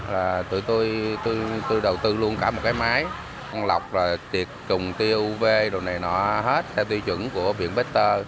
là tụi tôi đầu tư luôn cả một cái máy con lọc là tiệt cùng tiêu uv đồ này nọ hết theo tiêu chuẩn của viện bê tơ